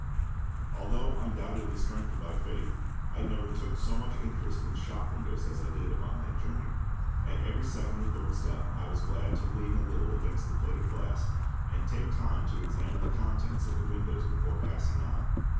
Although undoubtedly strengthened by faith, I never took so much interest in shop windows as I did upon that journey. At every second or third step I was glad to lean a little against the plate glass, and take time to examine the contents of the windows before passing on.